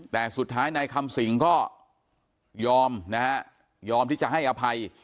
แต่สุดท้ายนายคำสิงก็ยอมนะฮะยอมที่จะให้อภัย